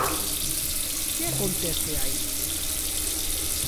Que acontece aí?